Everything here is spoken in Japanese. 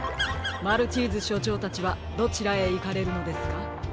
マルチーズしょちょうたちはどちらへいかれるのですか？